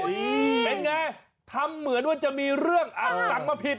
วิทยาลัยศาสตร์อัศวิทยาลัยศาสตร์